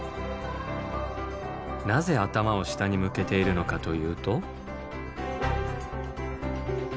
なぜ頭を下に向けているのかというと。